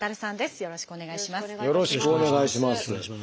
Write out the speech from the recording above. よろしくお願いします。